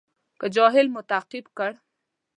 که جاهل مو تعقیب کړ.